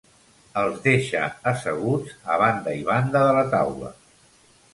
Els deixa asseguts, a banda i banda de la taula.